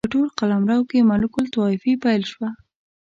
په ټول قلمرو کې ملوک الطوایفي پیل شوه.